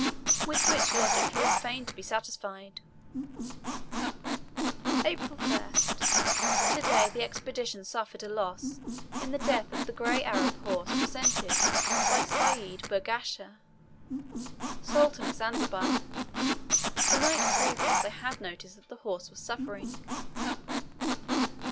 With which logic he was fain to be satisfied. April 1st. To day the Expedition suffered a loss in the death of the grey Arab horse presented by Seyd Burghash, Sultan of Zanzibar. The night previous I had noticed that the horse was suffering.